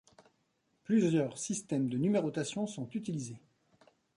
Plusieurs systèmes de numérotation sont utilisés.